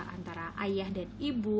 antara ayah dan ibu